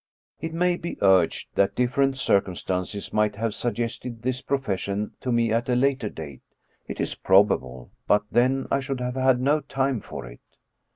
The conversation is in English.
It may be urged that different circumstances might have suggested this profession to me at a later date. It is prob able; but then I should have had no time for it.